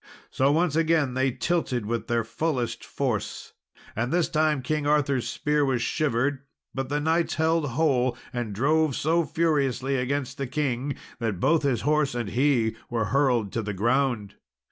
So once again they tilted with their fullest force, and this time King Arthur's spear was shivered, but the knight's held whole, and drove so furiously against the king that both his horse and he were hurled to the ground.